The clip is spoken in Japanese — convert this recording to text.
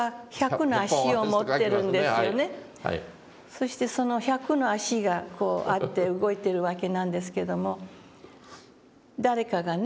そしてその百の足がこうあって動いてるわけなんですけども誰かがね「ムカデさん